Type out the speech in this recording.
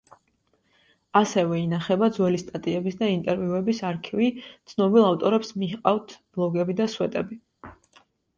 ასევე ინახება ძველი სტატიების და ინტერვიუების არქივი, ცნობილ ავტორებს მიჰყავთ ბლოგები და სვეტები.